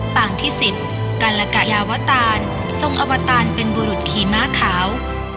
ปางที่๑๐กัลกะยาวตานทรงอบตารเป็นบุรุษขี่ม้าขาว